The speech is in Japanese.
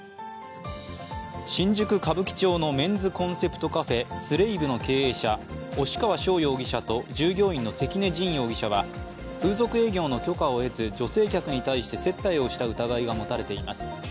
新宿・歌舞伎町のメンズコンセプトカフェＳｌａｖｅの経営者、押川翔容疑者と従業員の関根心容疑者は風俗営業の許可を得ず女性客に対して接待をした疑いが持たれています。